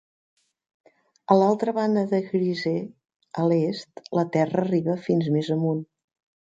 A l'altra banda de Chryse, a l'est, la terra arriba fins més amunt.